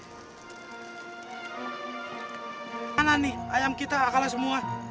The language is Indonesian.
mana nih ayam kita kalah semua